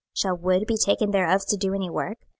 26:015:003 Shall wood be taken thereof to do any work?